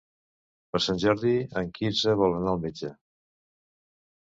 Per Sant Jordi en Quirze vol anar al metge.